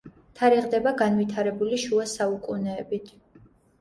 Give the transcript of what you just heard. თარიღდება განვითარებული შუა საუკუნეებით.